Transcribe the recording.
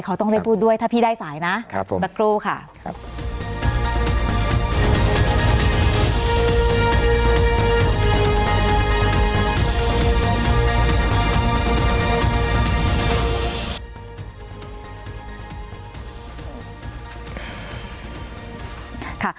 เขาต้องได้พูดด้วยถ้าพี่ได้สายนะสักครู่ค่ะ